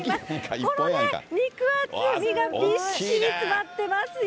このね、肉厚、身がびっしり詰まってますよ。